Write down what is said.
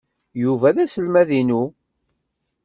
Yuba d aselmad-inu.